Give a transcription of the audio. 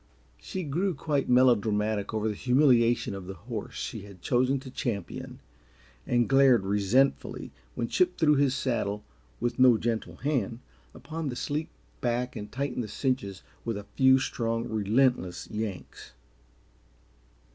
She grew quite melodramatic over the humiliation of the horse she had chosen to champion, and glared resentfully when Chip threw his saddle, with no gentle hand, upon the sleek back and tightened the cinches with a few strong, relentless yanks.